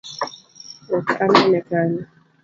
Ok onene kanyo?